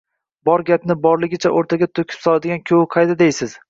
Bor gapni borligicha o‘rtaga to‘kib soladigan kuyov qayda deysiz